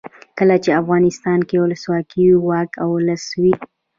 کله چې افغانستان کې ولسواکي وي واک د ولس وي.